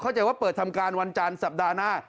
เข้าใจว่าเปิดทำการวันจันทร์สัปดาห์หน้า